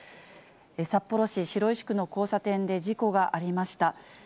札幌市白石区の交差点で事故がありました。